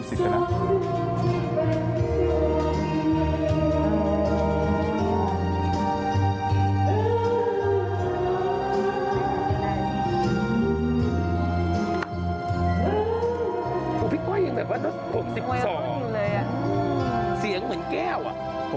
เสียงเหมือนแก้วอ่ะ